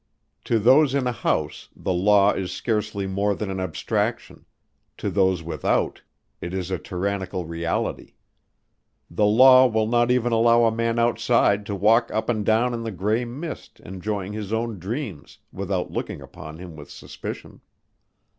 To those in a house the Law is scarcely more than an abstraction; to those without it is a tyrannical reality. The Law will not even allow a man outside to walk up and down in the gray mist enjoying his own dreams without looking upon him with suspicion.